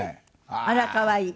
あら可愛い！